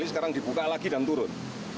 sekarang dibuka lagi dan turun